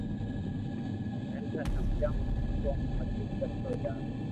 ھين ٿني ھمجاوُ ڪو متي ڪرتو جا